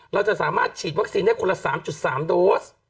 เราจะสามารถฉีดวัคซีนได้คนละ๓๓โดส